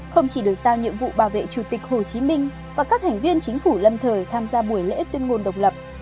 không chỉ được giao nhiệm vụ bảo vệ chủ tịch hồ chí minh và các thành viên chính phủ lâm thời tham gia buổi lễ tuyên ngôn độc lập